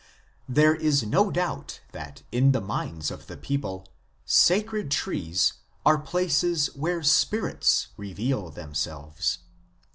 ... There is no doubt that in the minds of the people sacred trees are places where spirits reveal themselves."